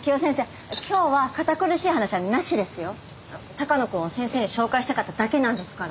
鷹野君を先生に紹介したかっただけなんですから。